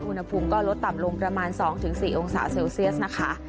อุณหภูมิก็ลดต่ำลงประมาณ๒๔องศาเซลเซียสนะคะ